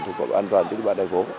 thực phẩm an toàn trên địa bàn thành phố